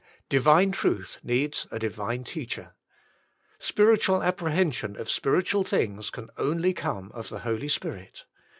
Divine truth needs a Divine Teacher. Spiritual apprehension of spiritual things can only come of the Holy Spirit.